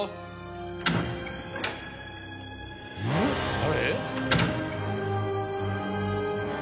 誰？